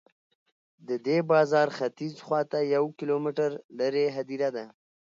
د دې بازار ختیځ خواته یو کیلومتر لرې هدیره ده.